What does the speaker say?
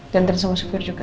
jantren sama sukuir juga